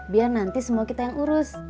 biar nanti semua kita yang urus